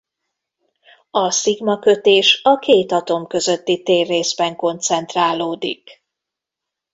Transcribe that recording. A szigma-kötés a két atom közötti térrészben koncentrálódik.